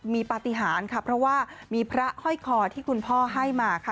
มีปฏิหารค่ะเพราะว่ามีพระห้อยคอที่คุณพ่อให้มาค่ะ